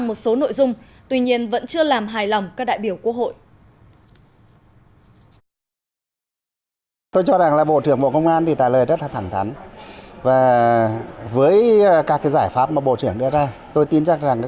một số đại biểu cho rằng bộ trưởng đã trả lời khá rõ ràng một số nội dung